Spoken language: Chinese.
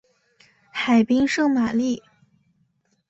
海滨圣玛丽。